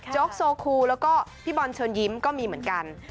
โซคูแล้วก็พี่บอลเชิญยิ้มก็มีเหมือนกัน